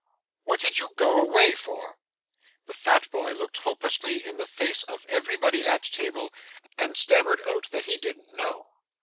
'What did you go away for?' The fat boy looked hopelessly in the face of everybody at table, and stammered out that he didn't know.